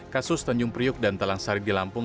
kasus tanjung priuk dan talang sari di lampung